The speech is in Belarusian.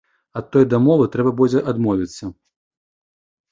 Ад той дамовы трэба будзе адмовіцца.